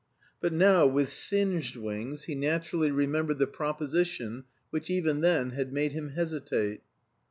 But now with singed wings he naturally remembered the proposition which even then had made him hesitate.